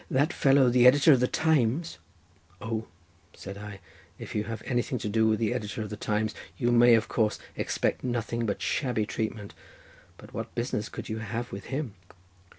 That fellow the editor of the Times—" "O," said I, "if you have anything to do with the editor of the Times you may, of course, expect nothing but shabby treatment, but what business could you have with him?"